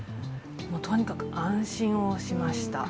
とにかく安心をしました。